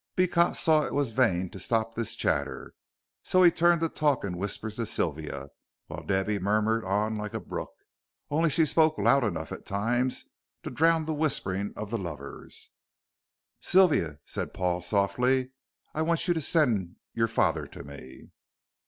Beecot saw it was vain to stop this chatterer, so he turned to talk in whispers to Sylvia, while Debby murmured on like a brook, only she spoke loud enough at times to drown the whispering of the lovers. "Sylvia," said Paul, softly, "I want you to send your father to me."